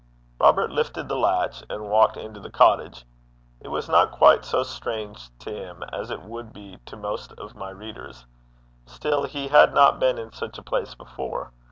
Robert lifted the latch, and walked into the cottage. It was not quite so strange to him as it would be to most of my readers; still, he had not been in such a place before.